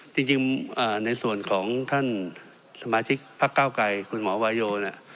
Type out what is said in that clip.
จริงในส่วนของท่านสมาชิกพักเก้าไกรคุณหมอวาโยเนี่ย